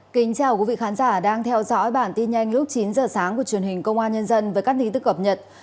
kính chào quý vị khán giả đang theo dõi bản tin nhanh lúc chín giờ sáng của truyền hình công an nhân dân với các tin tức cập nhật